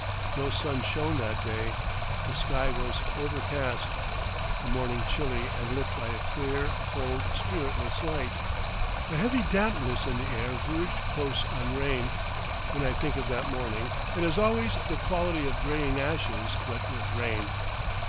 No sun shone that day. The sky was overcast, the morning chilly and lit by a clear, cold, spiritless light. A heavy dampness in the air verged close on rain. When I think of that morning, it has always the quality of greying ashes wet with rain.